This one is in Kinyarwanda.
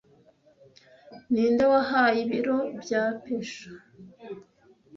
Ninde wahaye Ibiro bya Peshwa